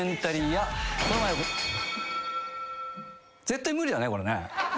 絶対無理だねこれね。